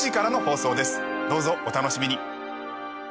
どうぞお楽しみに。